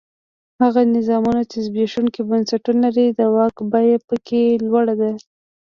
هغه نظامونه چې زبېښونکي بنسټونه لري د واک بیه په کې لوړه ده.